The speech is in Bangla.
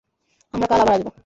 আমরা কাল আবার আসব।